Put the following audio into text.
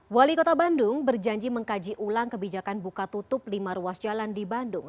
wali kota bandung berjanji mengkaji ulang kebijakan buka tutup lima ruas jalan di bandung